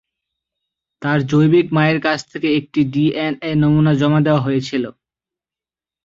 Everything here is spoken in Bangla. তার জৈবিক মায়ের কাছ থেকে একটি ডিএনএ নমুনা জমা দেওয়া হয়েছিল।